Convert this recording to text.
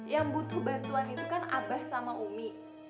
yang butuh bantuan itu kan abah sama umi